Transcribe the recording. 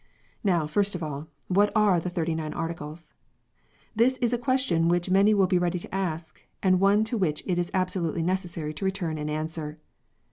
Now, first of all, what are the Thirty nine Articles ? This is a question which many will be ready to ask, and one to which it is absolutely necessary to return an answer.